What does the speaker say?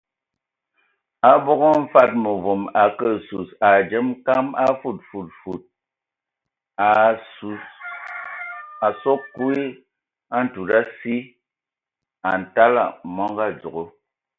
Abog mfad məvom a ake sus, a dzemə kam a fod fod fod, a a azu kwi ntud asi, a ntala mɔngɔ a dzogo.